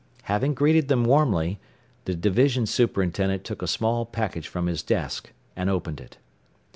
Having greeted them warmly, the division superintendent took a small package from his desk, and opened it.